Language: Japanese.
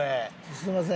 すみません。